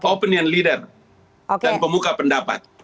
opinion leader dan pemuka pendapat